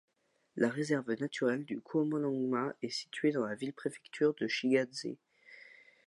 La réserve naturelle du Qomolangma est située dans la ville-préfecture de Shigatsé.